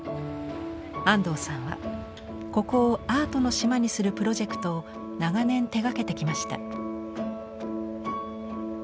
安藤さんはここをアートの島にするプロジェクトを長年手がけてきました。